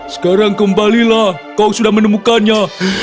sekarang kembalilah kau sudah menemukannya